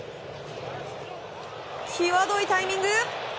際どいタイミング。